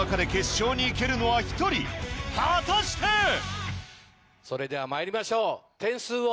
果たして⁉それではまいりましょう点数を。